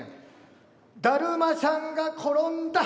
だるまさんが転んだ。